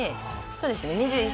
そうです